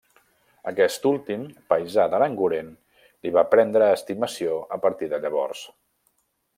Aquest últim, paisà d'Aranguren, li va prendre estimació a partir de llavors.